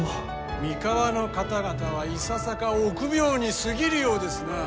三河の方々はいささか臆病に過ぎるようですなあ。